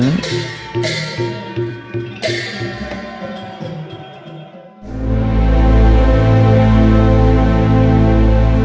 ก็ไปตีเครื่องมอน